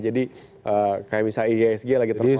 jadi kayak misalnya iasg lagi terkoreksi